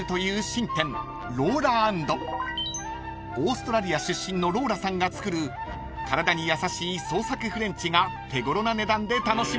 ［オーストラリア出身のローラさんが作る体に優しい創作フレンチが手頃な値段で楽しめます］